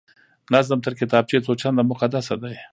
نظم تر کتابچې څو چنده مقدسه دی